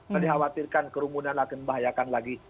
tadi khawatirkan kerumunan akan membahayakan lagi